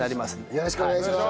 よろしくお願いします。